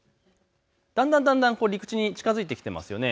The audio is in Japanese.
だんだん陸地に近づいてきていますよね。